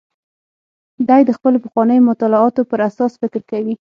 دی د خپلو پخوانیو مطالعاتو پر اساس فکر کوي.